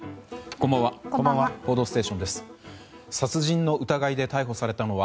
こんばんは。